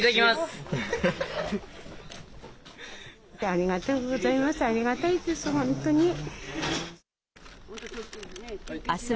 ありがとうございます。